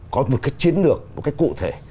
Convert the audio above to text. có một cái chiến lược một cái cụ thể